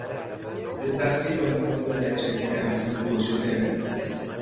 به سختی راه خود را در جنگل انبوه گشودن